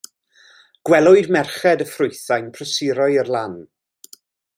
Gwelwyd merched y ffrwythau'n prysuro i'r lan.